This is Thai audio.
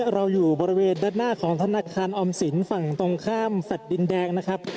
เราอยู่บริเวณด้านหน้าของธนาคารออมสินฝั่งตรงข้ามแฟลต์ดินแดงนะครับ